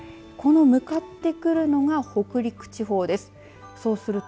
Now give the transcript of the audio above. この向かってくるのが北陸地方です。